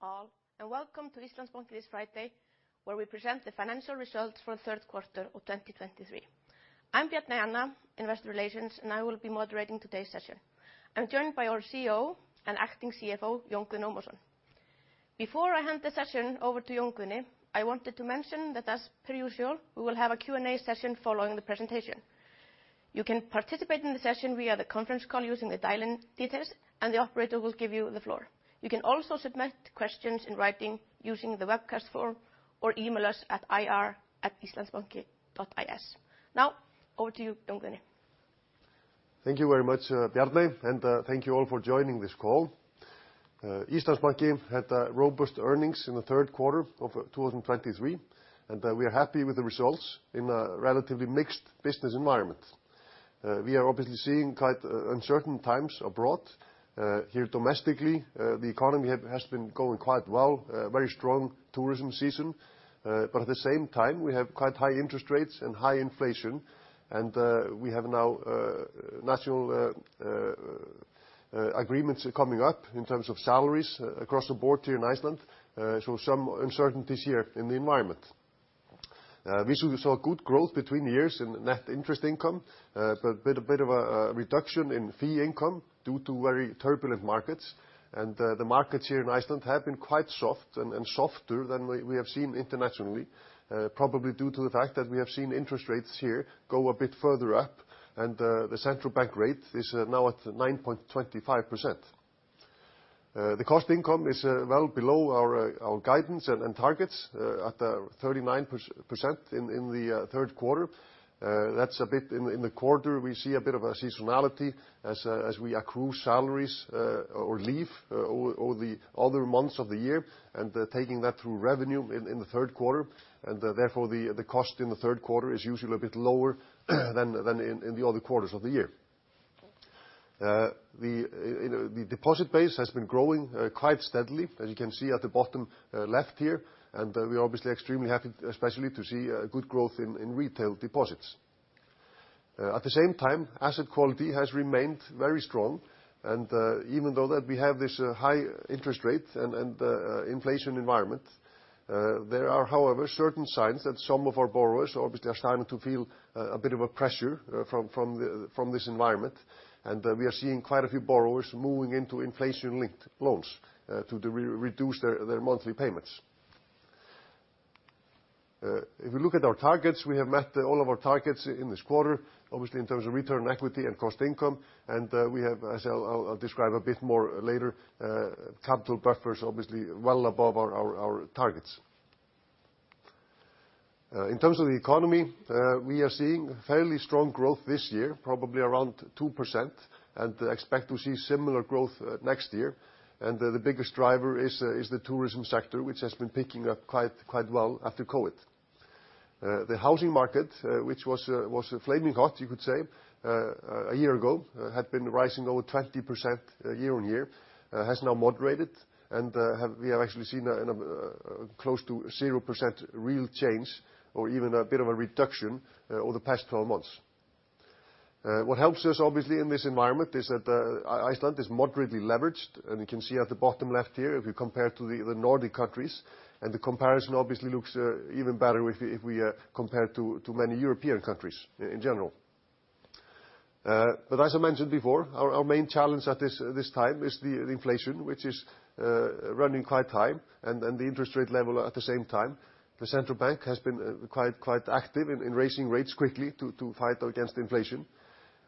Good morning, all, and welcome to Íslandsbanki this Friday, where we present the financial results for the third quarter of 2023. I'm Bjarney Anna, Investor Relations, and I will be moderating today's session. I'm joined by our CEO and acting CFO, Jón Guðni Ómarsson. Before I hand the session over to Jón Guðni, I wanted to mention that as per usual, we will have a Q&A session following the presentation. You can participate in the session via the conference call using the dial-in details, and the operator will give you the floor. You can also submit questions in writing using the webcast form, or email us at ir@islandsbanki.is. Now, over to you, Jón Guðni. Thank you very much, Bjarney, and thank you all for joining this call. Íslandsbanki had robust earnings in the third quarter of 2023, and we are happy with the results in a relatively mixed business environment. We are obviously seeing quite uncertain times abroad. Here domestically, the economy has been going quite well, very strong tourism season. But at the same time, we have quite high interest rates and high inflation, and we have now national agreements coming up in terms of salaries across the board here in Iceland, so some uncertainties here in the environment. We saw good growth between the years in net interest income, but a bit of a reduction in fee income due to very turbulent markets, and the markets here in Iceland have been quite soft and softer than we have seen internationally, probably due to the fact that we have seen interest rates here go a bit further up, and the Central Bank rate is now at 9.25%. The cost income is well below our guidance and targets, at 39% in the third quarter. That's a bit...In the quarter, we see a bit of a seasonality as we accrue salaries or leave all the other months of the year, and taking that through revenue in the third quarter, and therefore, the cost in the third quarter is usually a bit lower than in the other quarters of the year. You know, the deposit base has been growing quite steadily, as you can see at the bottom, left here, and we're obviously extremely happy, especially to see good growth in retail deposits. At the same time, asset quality has remained very strong, and even though we have this high interest rate and inflation environment, there are, however, certain signs that some of our borrowers obviously are starting to feel a bit of a pressure from this environment, and we are seeing quite a few borrowers moving into inflation-linked loans to reduce their monthly payments. If you look at our targets, we have met all of our targets in this quarter, obviously, in terms of return on equity and cost income, and we have, as I'll describe a bit more later, capital buffers obviously well above our targets. In terms of the economy, we are seeing fairly strong growth this year, probably around 2%, and expect to see similar growth next year, and the biggest driver is the tourism sector, which has been picking up quite, quite well after COVID. The housing market, which was flaming hot, you could say, a year ago, had been rising over 20% year-on-year, has now moderated, and we have actually seen a close to 0% real change or even a bit of a reduction over the past 12 months. What helps us, obviously, in this environment is that Iceland is moderately leveraged, and you can see at the bottom left here, if you compare to the Nordic countries, and the comparison obviously looks even better if we compare to many European countries in general. But as I mentioned before, our main challenge at this time is the inflation, which is running quite high, and then the interest rate level at the same time. The Central Bank has been quite active in raising rates quickly to fight against inflation.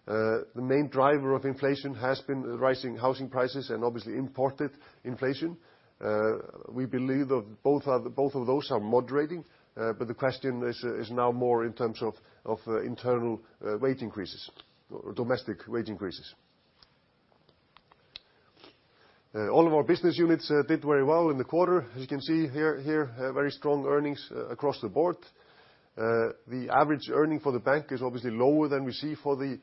The main driver of inflation has been rising housing prices and obviously imported inflation. We believe that both of those are moderating, but the question is now more in terms of internal wage increases or domestic wage increases. All of our business units did very well in the quarter. As you can see here, very strong earnings across the board. The average earning for the bank is obviously lower than we see for the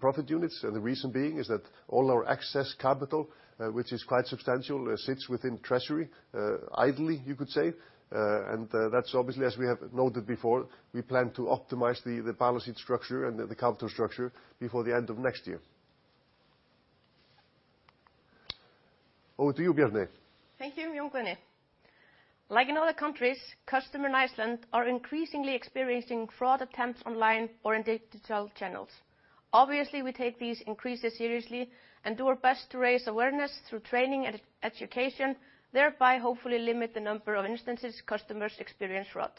profit units, and the reason being is that all our excess capital, which is quite substantial, sits within Treasury, idly, you could say. And that's obviously, as we have noted before, we plan to optimize the balance sheet structure and the capital structure before the end of next year. Over to you, Bjarney. Thank you, Jón Guðni Ómarsson. Like in other countries, customers in Iceland are increasingly experiencing fraud attempts online or in digital channels. Obviously, we take these increases seriously and do our best to raise awareness through training and education, thereby hopefully limit the number of instances customers experience fraud.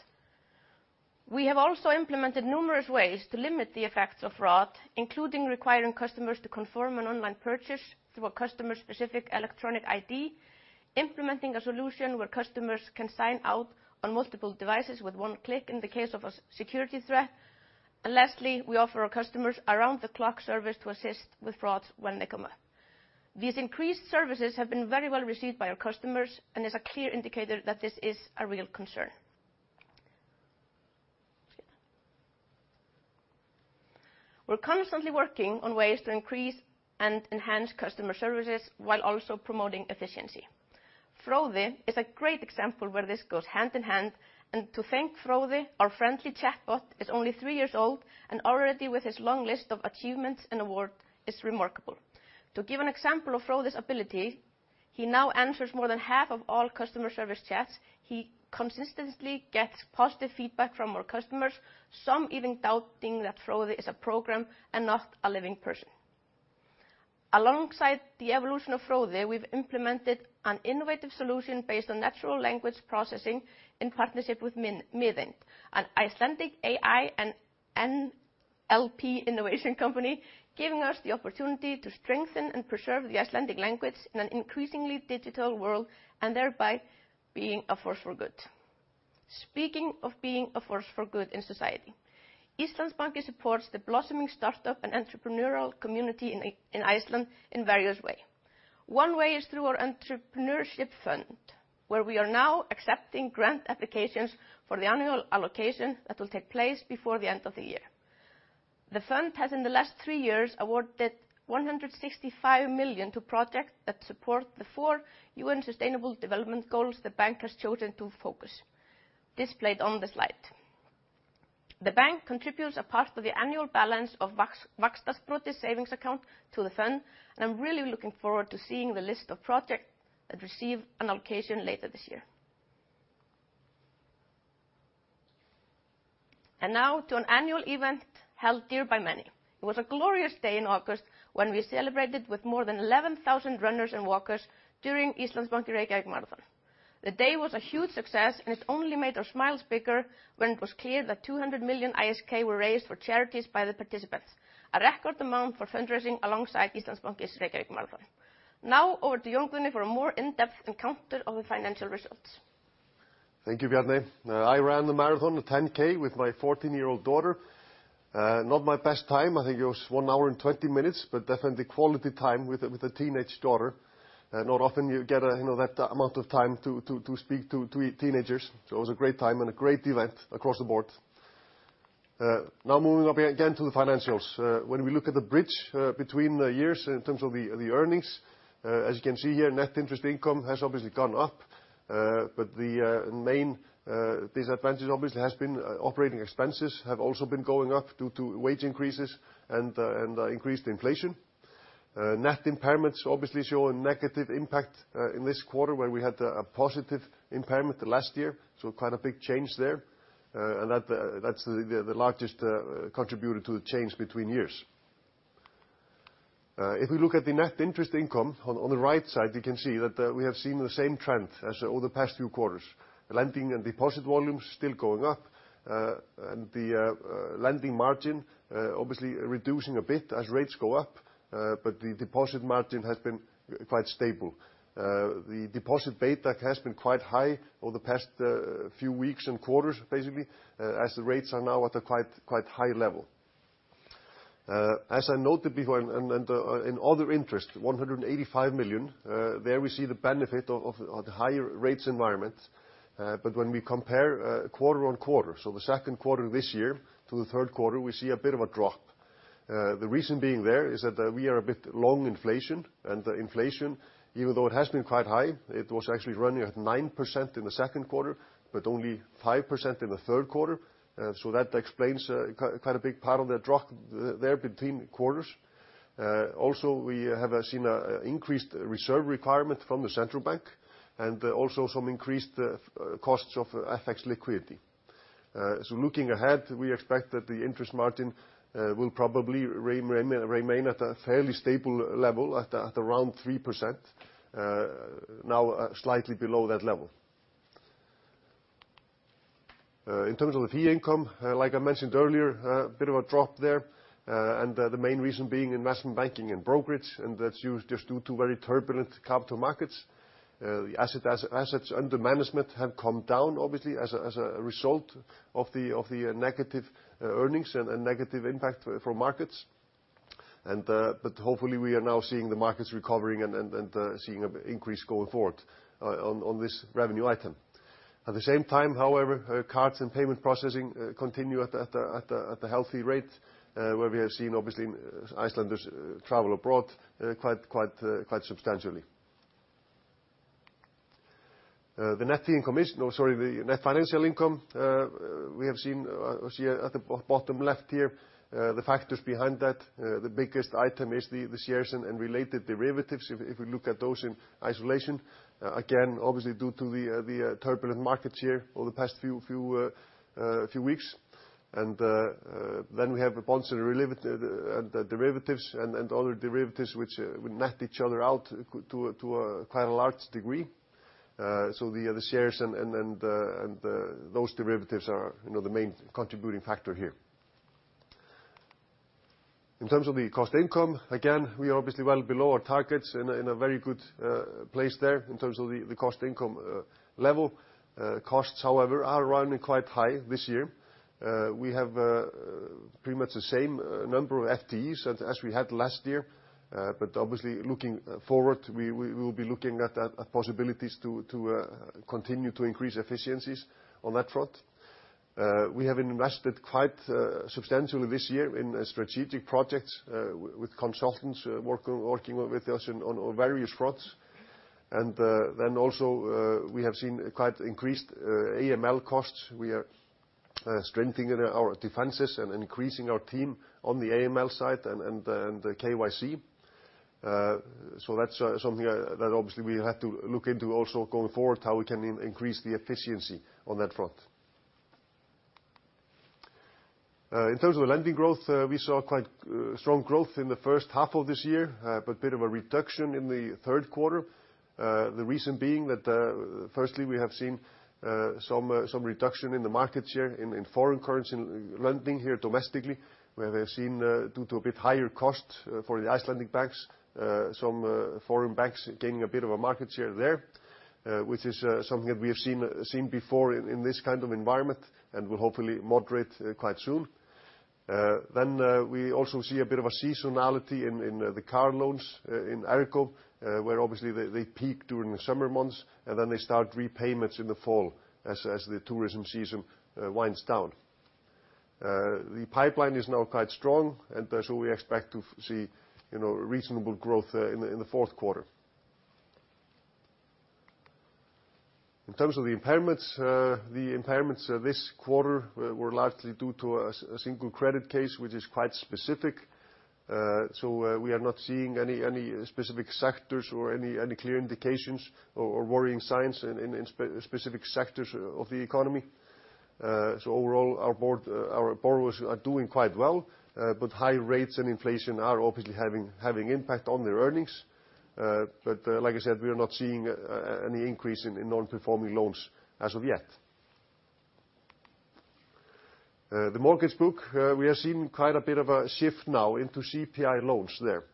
We have also implemented numerous ways to limit the effects of fraud, including requiring customers to confirm an online purchase through a customer-specific electronic ID, implementing a solution where customers can sign out on multiple devices with one click in the case of a security threat. Lastly, we offer our customers around-the-clock service to assist with fraud when they come up. These increased services have been very well received by our customers and is a clear indicator that this is a real concern. We're constantly working on ways to increase and enhance customer services while also promoting efficiency. Fróði is a great example where this goes hand in hand, and to think Fróði, our friendly chatbot, is only three years old, and already with his long list of achievements and award is remarkable. To give an example of Fróði's ability, he now answers more than half of all customer service chats. He consistently gets positive feedback from our customers, some even doubting that Fróði is a program and not a living person. Alongside the evolution of Fróði, we've implemented an innovative solution based on natural language processing in partnership with Miðeind, an Icelandic AI and NLP innovation company, giving us the opportunity to strengthen and preserve the Icelandic language in an increasingly digital world, and thereby being a force for good. Speaking of being a force for good in society, Íslandsbanki supports the blossoming startup and entrepreneurial community in Iceland in various ways. One way is through our entrepreneurship fund, where we are now accepting grant applications for the annual allocation that will take place before the end of the year. The fund has, in the last three years, awarded 165 million to projects that support the four UN Sustainable Development Goals the bank has chosen to focus, displayed on the slide. The bank contributes a part of the annual balance of Vaxtasproti savings account to the fund, and I'm really looking forward to seeing the list of projects that receive an allocation later this year. Now to an annual event held dear by many. It was a glorious day in August when we celebrated with more than 11,000 runners and walkers during Íslandsbanki Reykjavík Marathon. The day was a huge success, and it only made our smiles bigger when it was clear that 200 million ISK were raised for charities by the participants, a record amount for fundraising alongside Íslandsbanki's Reykjavík Marathon. Now over to Jón Guðni for a more in-depth encounter of the financial results. Thank you, Bjarney. I ran the marathon, the 10K, with my 14-year-old daughter. Not my best time, I think it was 1 hour and 20 minutes, but definitely quality time with a teenage daughter. Not often you get, you know, that amount of time to speak to teenagers, so it was a great time and a great event across the board. Now moving on again to the financials. When we look at the bridge between the years in terms of the earnings, as you can see here, net interest income has obviously gone up, but the main disadvantage obviously has been operating expenses have also been going up due to wage increases and increased inflation. Net impairments obviously show a negative impact in this quarter, where we had a positive impairment last year, so quite a big change there. And that's the largest contributor to the change between years. If we look at the net interest income, on the right side, you can see that we have seen the same trend as over the past few quarters. Lending and deposit volumes still going up, and the lending margin obviously reducing a bit as rates go up, but the deposit margin has been quite stable. The deposit beta has been quite high over the past few weeks and quarters, basically, as the rates are now at a quite high level. As I noted before, and in other interest, 185 million, there we see the benefit of the higher rates environment, but when we compare quarter-on-quarter, so the second quarter of this year to the third quarter, we see a bit of a drop. The reason being there is that we are a bit long inflation, and the inflation, even though it has been quite high, it was actually running at 9% in the second quarter, but only 5% in the third quarter. So that explains kind of big part of the drop there between quarters. Also, we have seen an increased reserve requirement from the central bank, and also some increased costs of FX liquidity. So looking ahead, we expect that the interest margin will probably remain at a fairly stable level, at around 3%, now slightly below that level. In terms of the fee income, like I mentioned earlier, a bit of a drop there, and the main reason being investment banking and brokerage, and that's usually just due to very turbulent capital markets. The assets under management have come down, obviously, as a result of the negative earnings and negative impact from markets. But hopefully, we are now seeing the markets recovering and seeing an increase going forward on this revenue item. At the same time, however, cards and payment processing continue at a healthy rate, where we have seen, obviously, Icelanders travel abroad quite substantially. The net fee income is... no, sorry, the net financial income, we have seen, see at the bottom left here, the factors behind that, the biggest item is the shares and related derivatives, if we look at those in isolation. Again, obviously due to the turbulent markets here over the past few weeks. Then we have bonds and related derivatives and other derivatives which net each other out to quite a large degree. So the shares and those derivatives are, you know, the main contributing factor here. In terms of the cost income, again, we are obviously well below our targets, in a very good place there in terms of the cost income level. Costs, however, are running quite high this year. We have pretty much the same number of FTEs as we had last year, but obviously, looking forward, we will be looking at possibilities to continue to increase efficiencies on that front. We have invested quite substantially this year in strategic projects, with consultants working with us on various fronts. Then also, we have seen quite increased AML costs. We are strengthening our defenses and increasing our team on the AML side and the KYC. So that's something that obviously we have to look into also going forward, how we can increase the efficiency on that front. In terms of the lending growth, we saw quite strong growth in the first half of this year, but a bit of a reduction in the third quarter. The reason being that, firstly, we have seen some reduction in the market share in foreign currency lending here domestically, where we've seen, due to a bit higher cost for the Icelandic banks, some foreign banks gaining a bit of a market share there, which is something that we have seen before in this kind of environment and will hopefully moderate quite soon. Then, we also see a bit of a seasonality in the car loans in Ergo, where obviously they peak during the summer months, and then they start repayments in the fall as the tourism season winds down. The pipeline is now quite strong, and so we expect to see, you know, reasonable growth in the fourth quarter. In terms of the impairments, the impairments this quarter were largely due to a single credit case, which is quite specific. We are not seeing any specific sectors or any clear indications or worrying signs in specific sectors of the economy. Overall, our borrowers are doing quite well, but high rates and inflation are obviously having impact on their earnings. Like I said, we are not seeing any increase in non-performing loans as of yet. The mortgage book, we have seen quite a bit of a shift now into CPI loans there.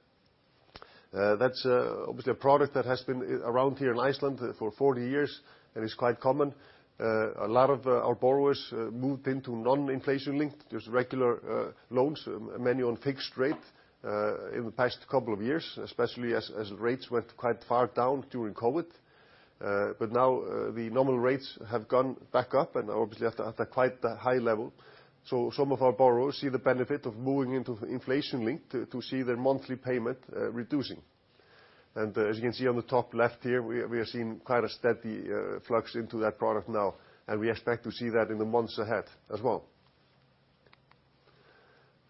That's obviously a product that has been around here in Iceland for 40 years and is quite common. A lot of our borrowers moved into non-inflation linked, just regular, loans, many on fixed rate, in the past couple of years, especially as rates went quite far down during COVID. But now, the normal rates have gone back up and obviously at a quite high level, so some of our borrowers see the benefit of moving into inflation linked to see their monthly payment reducing. As you can see on the top left here, we are seeing quite a steady flux into that product now, and we expect to see that in the months ahead as well.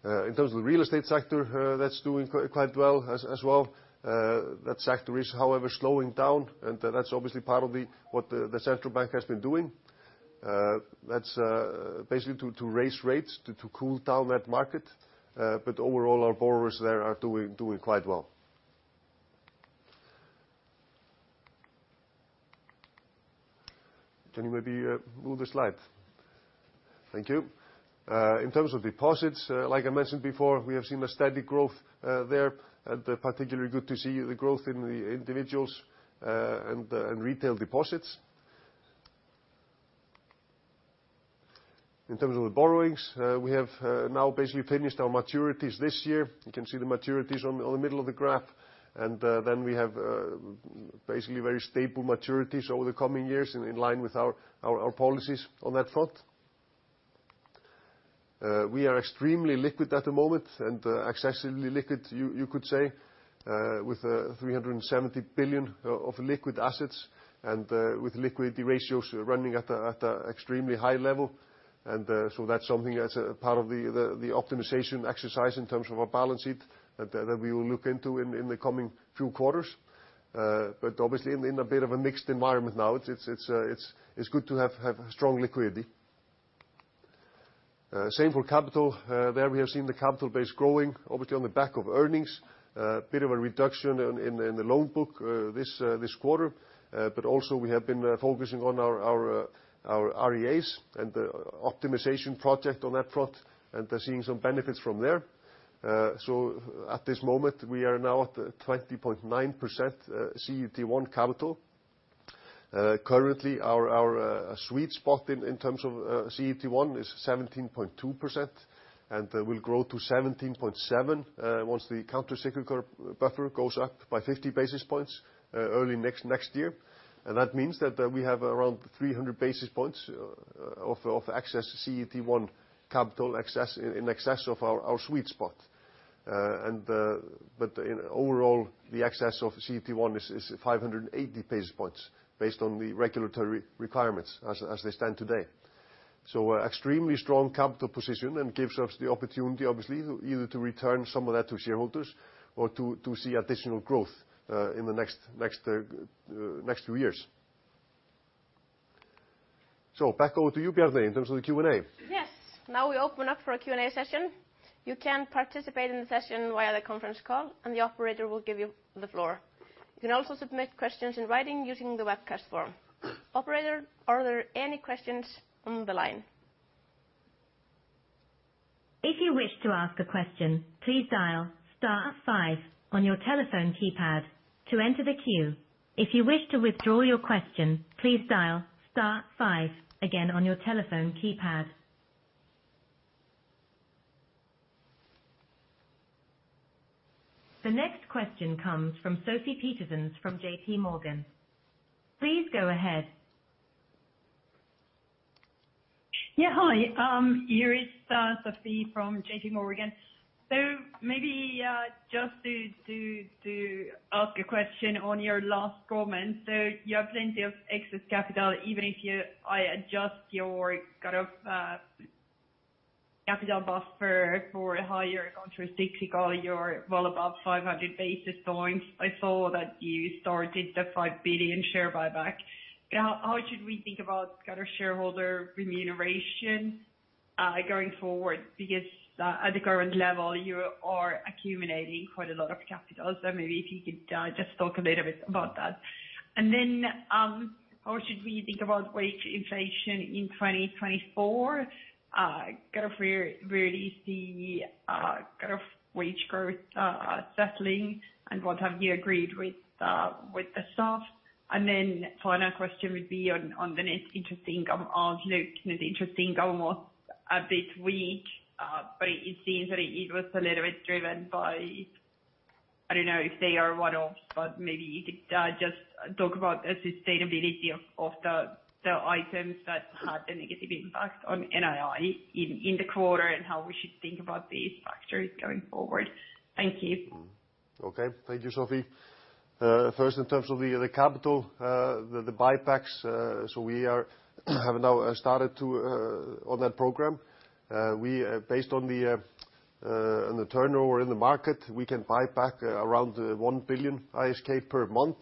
In terms of the real estate sector, that's doing quite well as well. That sector is, however, slowing down, and that's obviously part of what the central bank has been doing. That's basically to raise rates to cool down that market, but overall, our borrowers there are doing quite well. Can you maybe move the slide? Thank you. In terms of deposits, like I mentioned before, we have seen a steady growth there, and particularly good to see the growth in the individuals and the retail deposits. In terms of the borrowings, we have now basically finished our maturities this year. You can see the maturities on the middle of the graph, and then we have basically very stable maturities over the coming years in line with our policies on that front. We are extremely liquid at the moment, and excessively liquid, you could say, with 370 billion of liquid assets and with liquidity ratios running at an extremely high level. And so that's something that's a part of the optimization exercise in terms of our balance sheet that we will look into in the coming few quarters. But obviously in a bit of a mixed environment now, it's good to have strong liquidity. Same for capital. There we have seen the capital base growing, obviously on the back of earnings. Bit of a reduction in the loan book this quarter, but also we have been focusing on our REAs and the optimization project on that front, and they're seeing some benefits from there. So at this moment, we are now at 20.9% CET1 capital. Currently, our sweet spot in terms of CET1 is 17.2%, and that will grow to 17.7% once the countercyclical buffer goes up by 50 basis points early next year. And that means that we have around 300 basis points of excess CET1 capital excess in excess of our sweet spot. But overall, the excess of CET1 is 580 basis points, based on the regulatory requirements as they stand today. So extremely strong capital position and gives us the opportunity, obviously, either to return some of that to shareholders or to see additional growth in the next few years. So back over to you, Bjarney, in terms of the Q&A. Yes, now we open up for a Q&A session. You can participate in the session via the conference call, and the operator will give you the floor. You can also submit questions in writing using the webcast form. Operator, are there any questions on the line? If you wish to ask a question, please dial star five on your telephone keypad to enter the queue. If you wish to withdraw your question, please dial star five again on your telephone keypad. The next question comes from Sofie Peterzens from JPMorgan. Please go ahead. Yeah, hi. Here is Sofie from J.P. Morgan. So maybe just to ask a question on your last comment. So you have plenty of excess capital, even if you adjust your kind of capital buffer for a higher countercyclical, you're well above 500 basis points. I saw that you started the 5 billion share buyback. Now, how should we think about kind of shareholder remuneration going forward? Because at the current level, you are accumulating quite a lot of capital. So maybe if you could just talk a little bit about that. And then how should we think about wage inflation in 2024? Kind of where is the kind of wage growth settling, and what have you agreed with the staff? Then final question would be on the net interest income outlook. Net interest income was a bit weak, but it seems that it was a little bit driven by... I don't know if they are one-offs, but maybe you could just talk about the sustainability of the items that had a negative impact on NII in the quarter, and how we should think about these factors going forward. Thank you. Okay. Thank you, Sophie. First, in terms of the capital, the buybacks, so we have now started on that program. We, based on the turnover in the market, can buy back around 1 billion ISK per month.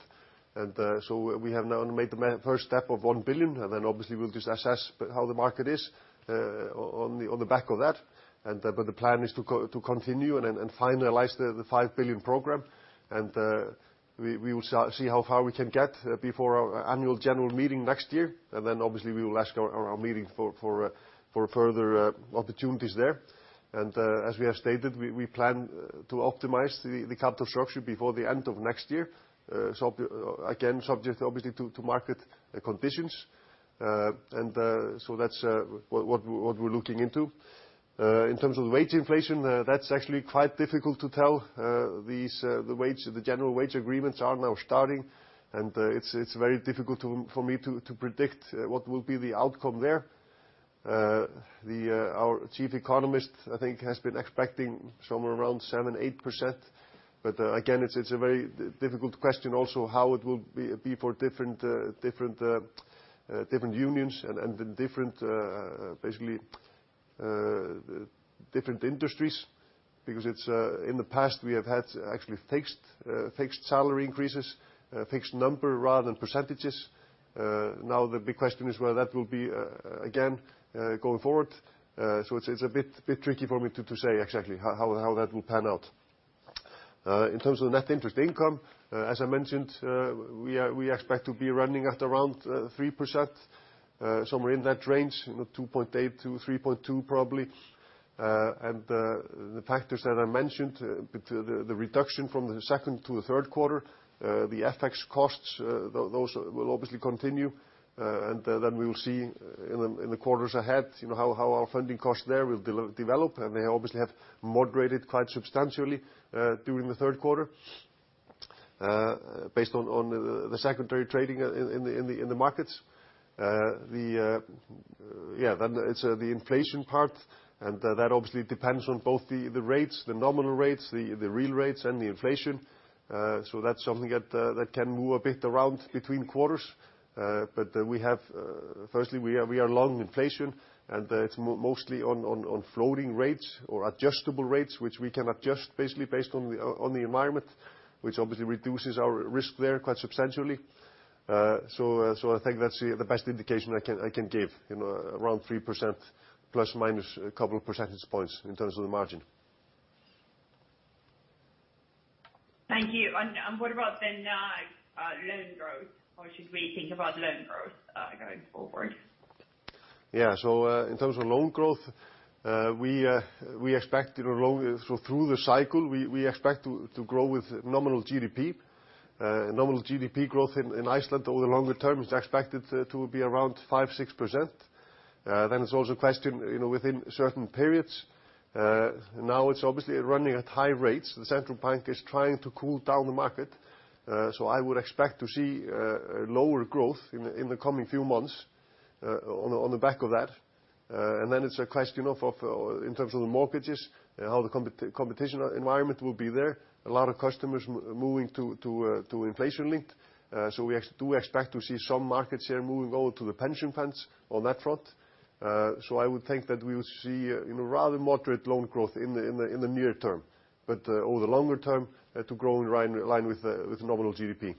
And, so we have now made the first step of 1 billion, and then obviously, we'll just assess how the market is on the back of that. And, but the plan is to go, to continue and then finalize the 5 billion program. And, we will see how far we can get before our annual general meeting next year, and then obviously, we will ask our meeting for further opportunities there. As we have stated, we plan to optimize the capital structure before the end of next year. So again, subject obviously to market conditions. And so that's what we're looking into. In terms of wage inflation, that's actually quite difficult to tell. These general wage agreements are now starting, and it's very difficult for me to predict what will be the outcome there. The our chief economist, I think, has been expecting somewhere around 7%-8%, but again, it's a very difficult question also, how it will be for different unions and the different, basically, different industries, because it's in the past, we have had actually fixed salary increases, fixed number rather than percentages. Now, the big question is whether that will be again going forward. So it's a bit tricky for me to say exactly how that will pan out. In terms of net interest income, as I mentioned, we expect to be running at around 3%, somewhere in that range, you know, 2.8%-3.2%, probably. The factors that I mentioned, the reduction from the second to the third quarter, the FX costs, those will obviously continue, and then we'll see in the quarters ahead, you know, how our funding costs there will develop, and they obviously have moderated quite substantially during the third quarter, based on the secondary trading in the markets. Then it's the inflation part, and that obviously depends on both the rates, the nominal rates, the real rates and the inflation. So that's something that can move a bit around between quarters. But we have...firstly, we are long inflation, and it's mostly on floating rates or adjustable rates, which we can adjust basically based on the environment, which obviously reduces our risk there quite substantially. So, I think that's the best indication I can give, you know, around 3% plus, minus a couple of percentage points in terms of the margin. Thank you. And what about the loan growth? How should we think about loan growth going forward? Yeah. So, in terms of loan growth, we expect, you know, so through the cycle, we expect to grow with nominal GDP. Nominal GDP growth in Iceland over the longer term is expected to be around 5%-6%. Then it's also a question, you know, within certain periods. Now, it's obviously running at high rates. The central bank is trying to cool down the market, so I would expect to see a lower growth in the coming few months, on the back of that. And then it's a question of, in terms of the mortgages, how the competition environment will be there. A lot of customers moving to inflation linked. So we do expect to see some market share moving over to the pension funds on that front. So I would think that we will see, you know, rather moderate loan growth in the near term, but over the longer term to grow in line with nominal GDP.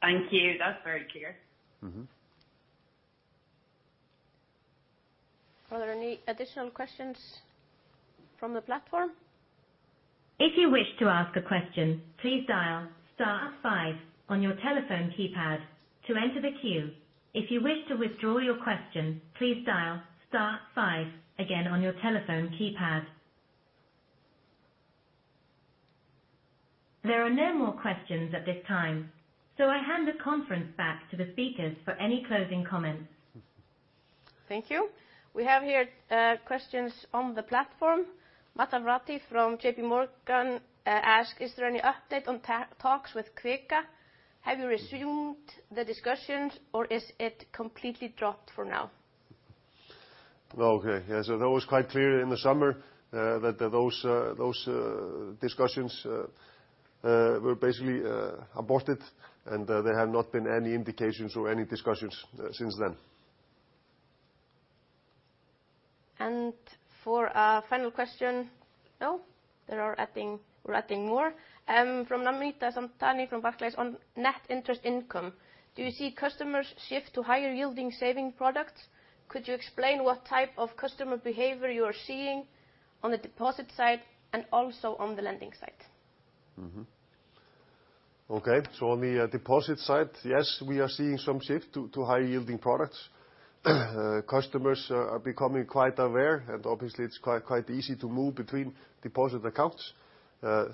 Thank you. That's very clear. Mm-hmm. Are there any additional questions from the platform? If you wish to ask a question, please dial star five on your telephone keypad to enter the queue. If you wish to withdraw your question, please dial star five again on your telephone keypad. There are no more questions at this time, so I hand the conference back to the speakers for any closing comments. Thank you. We have here, questions on the platform. [Kian Abouhossein] from JPMorgan asks, "Is there any update on talks with Kvika? Have you resumed the discussions, or is it completely dropped for now? Okay. Yes, so that was quite clear in the summer, that those discussions were basically aborted, and there have not been any indications or any discussions since then. And for a final question. No, we're adding more. From Namita Samtani, from Barclays, on net interest income: "Do you see customers shift to higher-yielding saving products? Could you explain what type of customer behavior you are seeing on the deposit side, and also on the lending side? Mm-hmm. Okay, so on the deposit side, yes, we are seeing some shift to higher-yielding products. Customers are becoming quite aware, and obviously, it's quite easy to move between deposit accounts.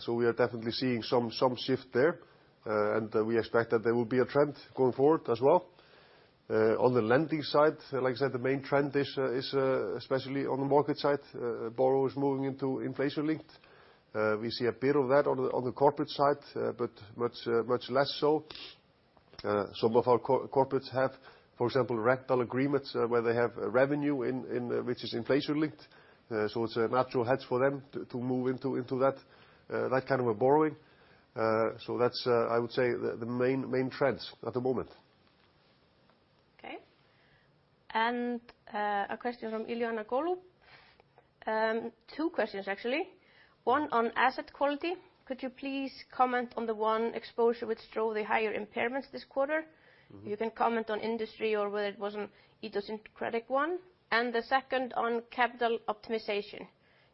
So we are definitely seeing some shift there, and we expect that there will be a trend going forward as well. On the lending side, like I said, the main trend is especially on the market side, borrowers moving into inflation-linked. We see a bit of that on the corporate side, but much less so. Some of our corporates have, for example, rental agreements, where they have revenue in which is inflation-linked, so it's a natural hedge for them to move into that kind of a borrowing. So that's, I would say, the main trends at the moment. Okay, and, a question from Ileana Kolu. Two questions, actually. One, on asset quality: "Could you please comment on the one exposure which drove the higher impairments this quarter? Mm-hmm. You can comment on industry or whether it was an idiosyncratic one." And the second on capital optimization: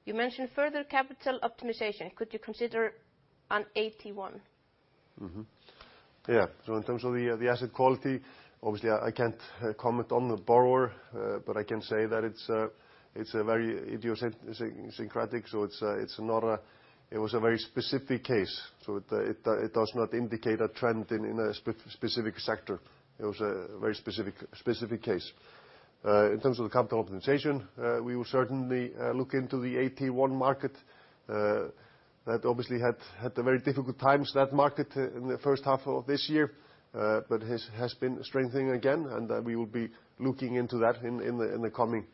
"You mentioned further capital optimization. Could you consider an AT1? Mm-hmm. Yeah, so in terms of the asset quality, obviously, I can't comment on the borrower, but I can say that it's a very idiosyncratic, so it's not a... It was a very specific case, so it does not indicate a trend in a specific sector. It was a very specific case. In terms of the capital optimization, we will certainly look into the AT1 market. That obviously had a very difficult times, that market, in the first half of this year, but has been strengthening again, and we will be looking into that in the coming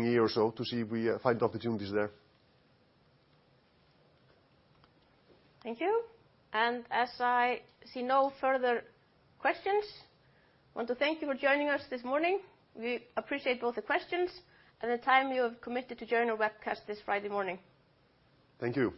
year or so, to see if we find opportunities there. Thank you. As I see no further questions, I want to thank you for joining us this morning. We appreciate all the questions and the time you have committed to join our webcast this Friday morning. Thank you.